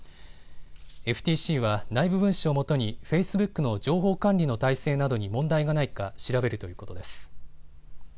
ＦＴＣは内部文書をもとにフェイスブックの情報管理の体制などに問題がないか調べるということです。